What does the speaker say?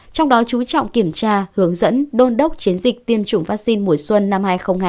trong đó chú trọng kiểm tra hướng dẫn đôn đốc chiến dịch tiêm chủng vaccine mùa xuân năm hai nghìn hai mươi